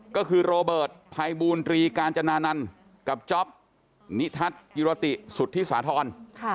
ก็คือโรเบิร์ตภัยบูรตรีกาญจนานันต์กับจ๊อปนิทัศน์กิรติสุธิสาธรณ์